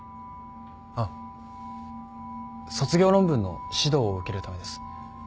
あっ卒業論文の指導を受けるためです。